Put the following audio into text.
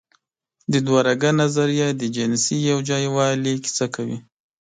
د دوهرګه نظریه د جنسي یوځای والي کیسه کوي.